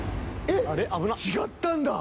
えっ違ったんだ！